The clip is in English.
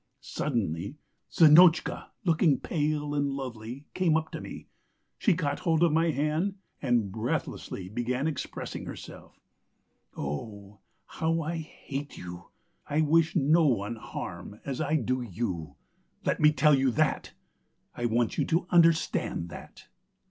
Suddenly Zinotchka, looking pale and lovely, came up to me, she caught hold of my hand, and breathlessly began expressing herself: "'Oh, how I hate you! I wish no one harm as I do you! Let me tell you that! I want you to understand that!'